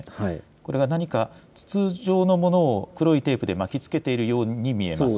これが何か筒状のものを黒いテープで巻きつけているように見えます。